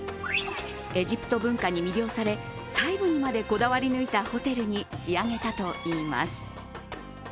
エジプト文化に魅了され細部にまでこだわり抜いたホテルに仕上げたといいます。